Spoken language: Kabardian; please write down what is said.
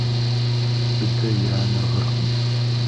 Быдэ и анэ гъыркъым.